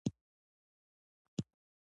هغوی د بدلونو واک لرلو، خو ونه یې کاراوه.